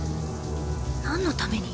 何のために？